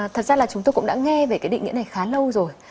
thật ra là chúng tôi cũng đã nghe về cái định nghĩa này khá lâu rồi